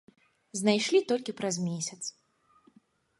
Знайшлі толькі праз месяц.